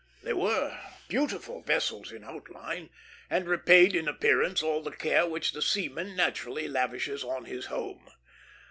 They were beautiful vessels in outline, and repaid in appearance all the care which the seamen naturally lavishes on his home.